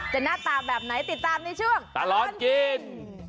หน้าตาแบบไหนติดตามในช่วงตลอดกิน